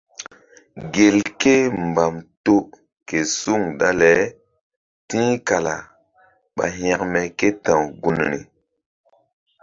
Gelke mbam to ke suŋ dale ti̧h kala ɓa hȩkme ké ta̧w gunri.